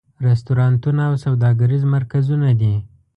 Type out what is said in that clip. رستورانتونه او سوداګریز مرکزونه دي.